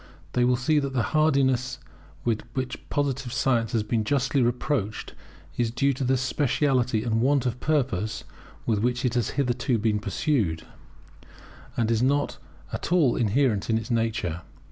They will see that the hardness with which Positive science has been justly reproached, is due to the speciality and want of purpose with which it has hitherto been pursued, and is not at all inherent in its nature.